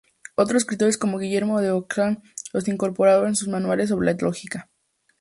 Otros escritores como Guillermo de Ockham los incorporaron en sus manuales sobre la lógica.